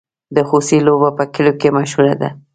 د خوسي لوبه په کلیو کې مشهوره ده.